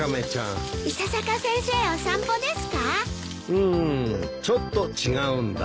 うーんちょっと違うんだ。